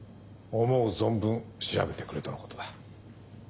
思う存分調べてくれとのことだ。